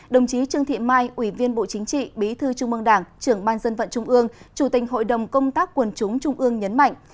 đồng chí trương thị mai ủy viên bộ chính trị bí thư trung mương đảng trưởng ban dân vận trung ương chủ tình hội đồng công tác quần chúng trung ương nhấn mạnh